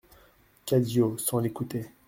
CADIO, sans l'écouter.